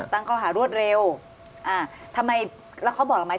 ตั้งเขาหารวดเร็วทำไมแล้วเขาบอกแล้วไหม